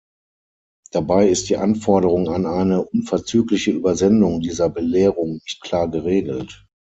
Dabei ist die Anforderung an eine 'unverzügliche’ Übersendung dieser Belehrung nicht klar geregelt.